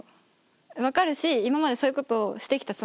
分かるし今までそういうことをしてきたつもり。